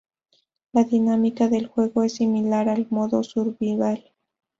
La dinámica del juego es similar al modo Survival.